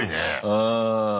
うん。